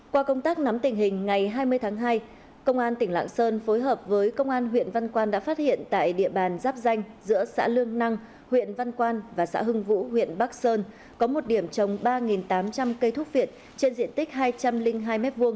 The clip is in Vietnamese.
qua công tác nắm tình hình ngày hai mươi tháng hai công an tỉnh lạng sơn phối hợp với công an huyện văn quan đã phát hiện tại địa bàn giáp danh giữa xã lương năng huyện văn quan và xã hưng vũ huyện bắc sơn có một điểm trồng ba tám trăm linh cây thuốc viện trên diện tích hai trăm linh hai m hai